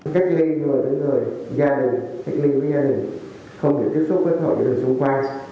cách ly nhờ đến người gia đình cách ly với gia đình không được tiếp xúc với hội đồng xung quanh